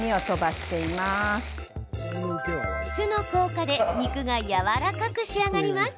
酢の効果で肉がやわらかく仕上がります。